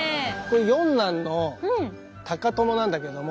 四男の高伴なんだけども。